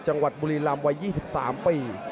จังหวัดบุรีลำวัย๒๓ปี